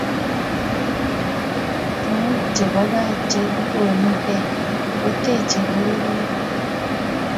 tumwek che bo Kaa che kikonuu kei koteche pororiet.